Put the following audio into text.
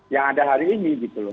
yang ada hari ini